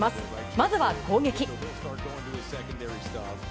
まずは攻撃。